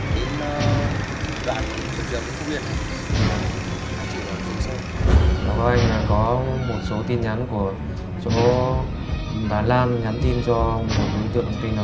đi đoạn chợ trường